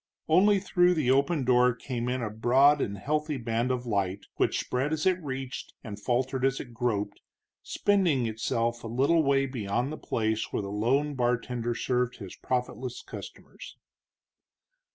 Only through the open door came in a broad and healthy band of light, which spread as it reached and faltered as it groped, spending itself a little way beyond the place where the lone bartender served his profitless customers.